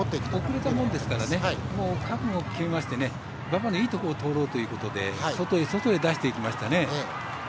遅れたもんですから覚悟を決めまして馬場のいいところを通ろうということで外へ外へ出していきましたね。